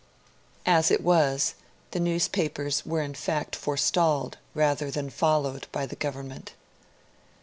As it was, the newspapers were in fact forestalled, rather than followed, by the Government.